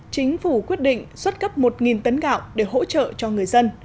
chính phủ quyết định xuất cấp một tấn gạo để hỗ trợ cho người dân